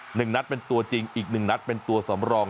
หนึ่งนัดเป็นตัวจริงอีกหนึ่งนัดเป็นตัวสำรอง